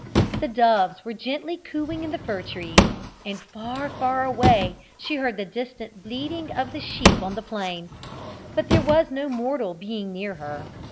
The doves were gently cooing in the fir trees, and far, far away she heard the distant bleating of the sheep on the plain, but there was no mortal being near her.